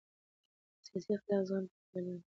سیاسي اختلاف زغم ته اړتیا لري